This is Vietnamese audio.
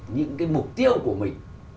những cái mục tiêu của mình